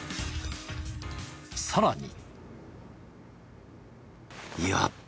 さらに。